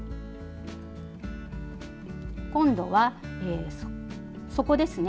今度は底ですね。